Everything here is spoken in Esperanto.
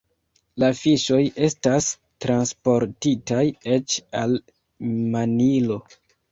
La fiŝoj estas transportitaj eĉ al Manilo.